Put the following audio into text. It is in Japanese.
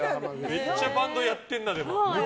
めっちゃバンドやってるな。